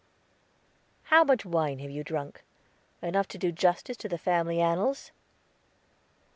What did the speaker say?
"How much wine have you drunk? Enough to do justice to the family annals?"